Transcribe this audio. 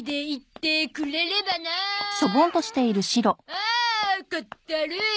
ああかったるい！